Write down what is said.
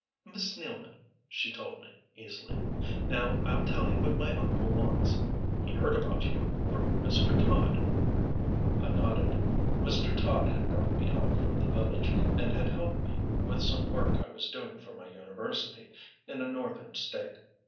"Miss Nealman," she told me, easily. "Now I'll tell you what my uncle wants. He heard about you, from Mr. Todd." I nodded. Mr. Todd had brought me out from the village and had helped me with some work I was doing for my university, in a northern state.